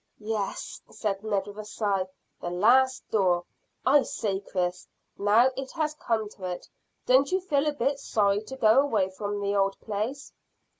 "Yes," said Ned, with a sigh, "the last door. I say, Chris, now it has come to it, don't you feel a bit sorry to go away from the old place?"